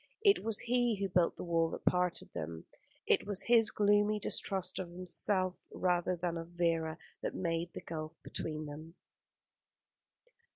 It was he who built the wall that parted them; it was his gloomy distrust of himself rather than of Vera that made the gulf between them.